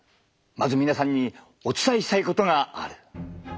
まず皆さんにお伝えしたいことがある。